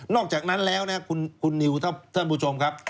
อกจากนั้นแล้วนะคุณนิวท่านผู้ชมครับ